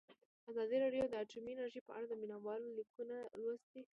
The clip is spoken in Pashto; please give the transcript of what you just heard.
ازادي راډیو د اټومي انرژي په اړه د مینه والو لیکونه لوستي.